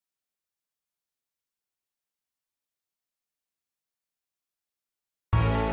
mas al kan penyakit